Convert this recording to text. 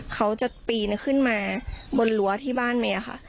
เขาจะปีนขึ้นมาบนรั้วที่บ้านเมย์ค่ะ